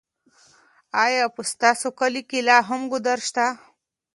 ایا په ستاسو کلي کې لا هم ګودر شته؟